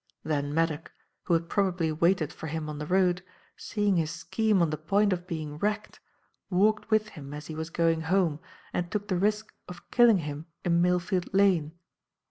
Then Maddock who had probably waited for him on the road seeing his scheme on the point of being wrecked, walked with him as he was going home and took the risk of killing him in Millfield Lane.